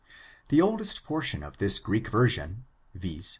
The oldest portion of this Greek version, viz.